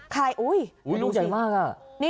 ใครอุ้ยนิ้วใหญ่มากอ่ะ